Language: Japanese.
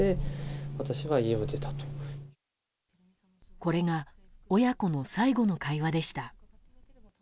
これが親子の最後の会話でした。